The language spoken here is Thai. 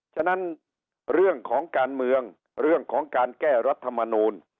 ฉะนั้นเรื่องของการเมืองเรื่องของการแก้รัฐมนูล